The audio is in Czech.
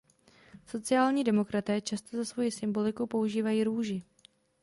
Sociální demokraté často za svojí symboliku používají růži.